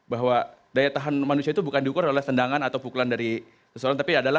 bahwa daya tahan manusia itu bukan diukur oleh tendangan atau pukulan dari seseorang tapi adalah